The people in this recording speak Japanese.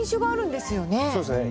そうですね。